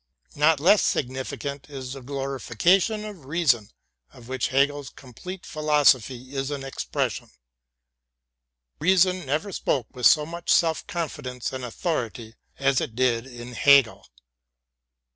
Not less significant is the glorification of reason of which Hegel's complete philosophy is an expression. Reason never spoke with so much self confidence and authority as it did in Hegel.